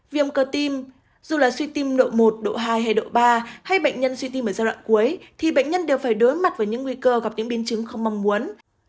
viêm cơ tim dù là suy tim nội một độ hai hay độ ba hay bệnh nhân suy tim ở giai đoạn cuối thì bệnh nhân đều phải đối mặt với những nguy cơ gặp những biến chứng không mong muốn